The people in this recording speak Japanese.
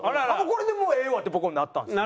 これでもうええわって僕もなったんです。